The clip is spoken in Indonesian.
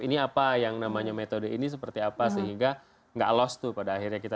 ini apa yang namanya metode ini seperti apa sehingga nggak lost tuh pada akhirnya kita